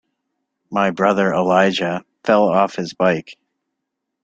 My brother Elijah fell off his bike.